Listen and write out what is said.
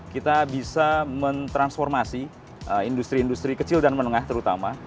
kita bisa mentransformasi industri industri kecil dan menengah terutama